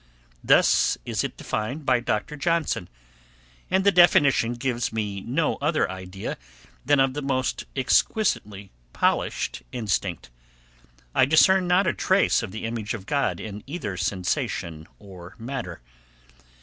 Thus is it defined by Dr. Johnson; and the definition gives me no other idea than of the most exquisitely polished instinct. I discern not a trace of the image of God in either sensation or matter.